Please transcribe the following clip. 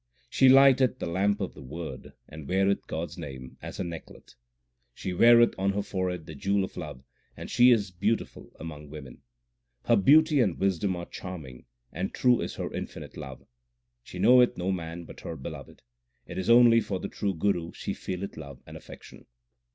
She lighteth the lamp of the Word, and weareth God s name as her necklet. She weareth on her forehead the jewel of love, and she is beautiful among women. Her beauty and wisdom are charming, and true is her infinite love. She knoweth no man but her Beloved ; it is only for the True Guru she feeleth love and affection.